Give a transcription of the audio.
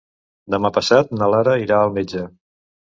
Demà passat na Lara irà al metge.